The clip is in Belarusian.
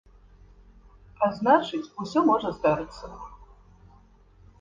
А значыць, усё можа здарыцца.